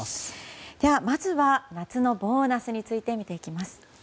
では、まずは夏のボーナスについてみていきます。